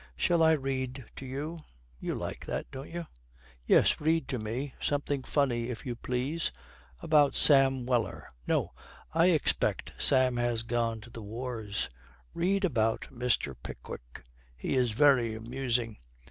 Shall I read to you; you like that, don't you?' 'Yes, read to me something funny, if you please. About Sam Weller! No, I expect Sam has gone to the wars. Read about Mr. Pickwick. He is very amusing.